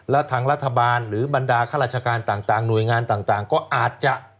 และทางรัฐบาลหรือบรรดาข้าราชการต่างหน่วยงานต่างก็อาจจะ